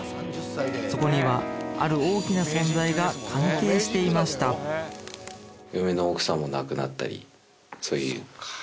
そこにはある大きな存在が関係していましたそうだね